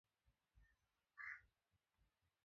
kikombe kimoja cha maziwa ya chai